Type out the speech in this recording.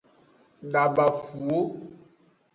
Adabafuwo.